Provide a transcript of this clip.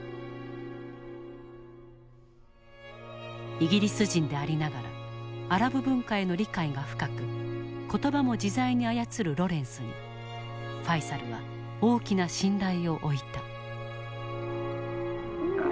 イギリス人でありながらアラブ文化への理解が深く言葉も自在に操るロレンスにファイサルは大きな信頼を置いた。